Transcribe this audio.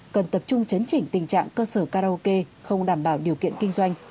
cần tập trung chấn chỉnh tình trạng cơ sở karaoke không đảm bảo điều kiện kinh doanh